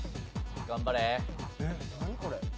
頑張れ！